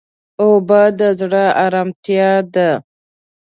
اوبه د زړه ارامتیا ده.